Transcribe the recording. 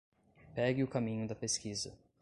Pegue o caminho da pesquisa